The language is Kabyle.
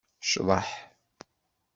Cḍeḥ!